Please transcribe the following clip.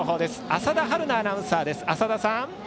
浅田春奈アナウンサーです。